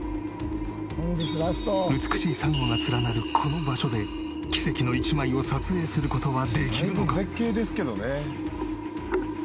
美しい珊瑚が連なるこの場所で奇跡の一枚を撮影する事はできるのか？